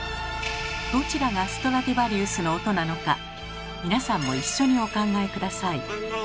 どちらがストラディヴァリウスの音なのか皆さんも一緒にお考えください。